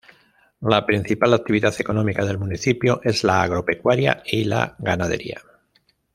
La principal actividad económica del municipio es la agropecuaria y la ganadería.